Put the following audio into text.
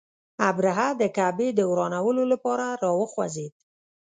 ابرهه د کعبې د ورانولو لپاره را وخوځېد.